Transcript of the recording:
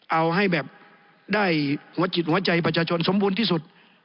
เอาให้แบบได้หัวจิตหัวใจประชาชนสมบูรณ์ที่สุด